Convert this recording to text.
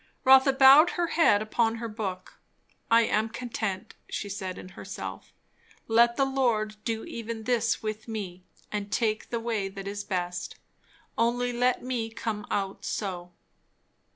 Rotha bowed her head upon her book. I am content! she said in herself. Let the Lord do even this with me, and take the way that is best. Only let me come out so!